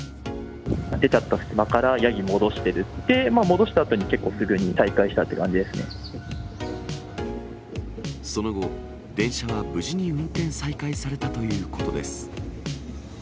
出ちゃった隙間からヤギ戻して、で、戻したあとに、結構すぐに再その後、電車は無事に運転再開されたということです。